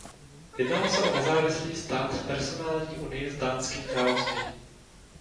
Jednalo se o nezávislý stát v personální unii s Dánským královstvím.